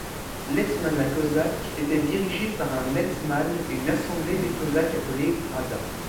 L'Hetmanat cosaque était dirigé par un hetman et une assemblée des Cosaques appelée Rada.